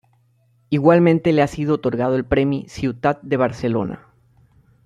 Igualmente le ha sido otorgado el "Premi Ciutat de Barcelona".